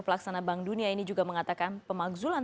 pelaksana bank dunia ini juga mengatakan pemakzulan